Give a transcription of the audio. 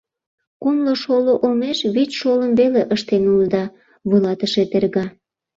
Кумло шоло олмеш вич шолым веле ыштен улыда, — вуйлатыше терга.